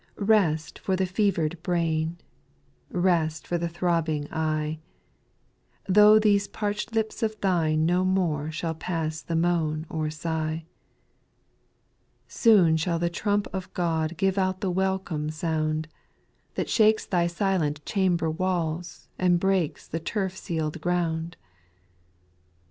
6. Rest for the fever'd brain. Rest for the throbbing eye ; Thro' these parch'd lips of thine no more Shall pass the moan or sigh. 7. Soon shall the trump of God Give out the welcome sound, That shakes thy silent chamber walls, And breaks the turf seaPd ground.